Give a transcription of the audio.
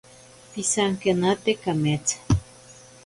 Pisankenate kametsa.